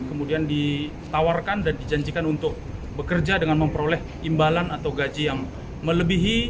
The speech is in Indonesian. kemudian ditawarkan dan dijanjikan untuk bekerja dengan memperoleh imbalan atau gaji yang melebihi